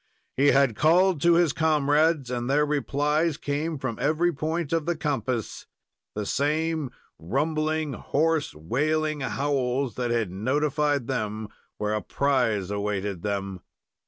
He had called to his comrades, and their replies came from every point of the compass the same rumbling, hoarse, wailing howls that had notified them where a prize awaited them.